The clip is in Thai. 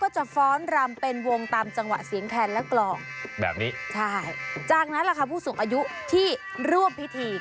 จากนั้นล่ะค่ะผู้สูงอายุที่ร่วมพิธี